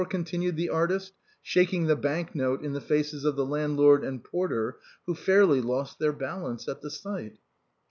continued the artist, shaking the bank note in the faces of the landlord and porter, who fairly lost their balance at the sight.